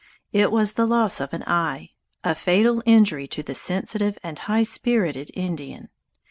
It was the loss of an eye, a fatal injury to the sensitive and high spirited Indian.